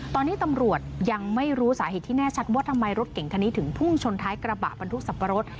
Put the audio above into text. ตอนนี้ตำรวจยังไม่รู้สาเหตุที่แน่ชัดว่าทำไมรถเก่งคันนี้ถึงพุ่งชนท้ายกระบะบรรทุกสับปะรด